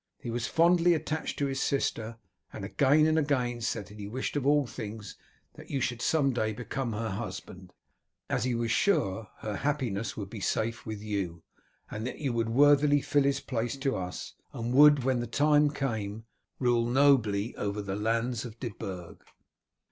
He was fondly attached to his sister, and again and again said that he wished of all things that you should some day become her husband, as he was sure her happiness would be safe with you, and that you would worthily fill his place to us, and would, when the time came, rule nobly over the lands of De Burg."